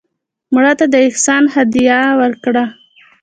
مړه ته د احسان هدیه وکړه